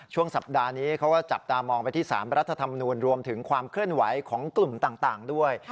ช่วงสัปดาห์นี้เขาก็จับตามองไปที่๓รัฐธรรมนูลรวมถึงความเคลื่อนไหวของกลุ่มต่างด้วย